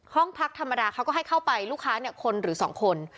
ห้องพักธรรมดาเขาก็ให้เข้าไปลูกค้าคนหรือ๒คน